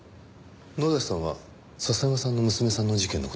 野崎さんは笹山さんの娘さんの事件の事は？